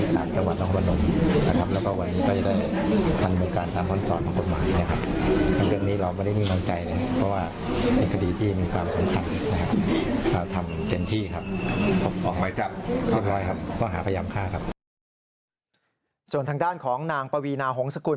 ส่วนทางด้านของนางปวีนาหงษกุล